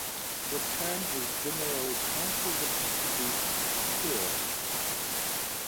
The term is generally considered to be pejorative.